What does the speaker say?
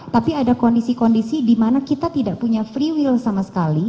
tapi ada kondisi kondisi di mana kita tidak punya free will sama sekali